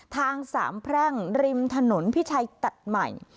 ทางสามแพร่งริมถนนพิชัยตัดใหม่